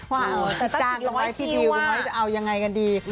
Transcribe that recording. ว่าพี่จ้างต้องไปพี่ดิวพี่มอยท์จะเอายังไงกันดี